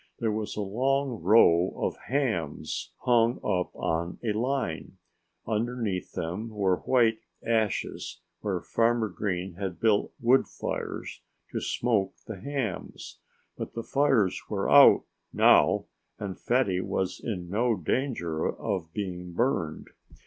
There was a long row of hams hung up in a line. Underneath them were white ashes, where Farmer Green had built wood fires, to smoke the hams. But the fires were out, now; and Fatty was in no danger of being burned.